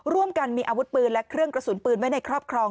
ร่วมกันมีอาวุธปืนและเครื่องกระสุนปืนไว้ในครอบครอง